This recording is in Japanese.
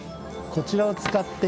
こちらを使って。